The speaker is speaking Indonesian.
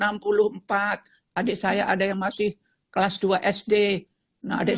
orang tuhh emmanuel yashi ada black b trim psychologists katanya females